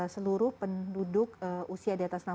seluruh penduduk usia di atas